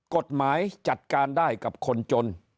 กฎหมายจัดการได้กับคนจน